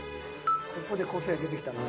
ここで個性出てきたな。